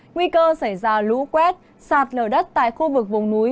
nguy cơ xảy ra lũ quét sạt lở đất tại khu vực vùng núi